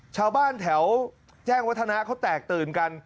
ชาวบ้านแถวแจ้งวัฒนะเขาแตกตื่นกัน